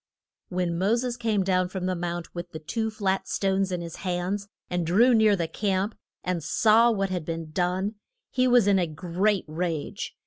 When Mo ses came down from the mount with the two flat stones in his hands, and drew near the camp, and saw what had been done, he was in a great rage.